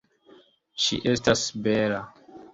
Ŝi estas bela.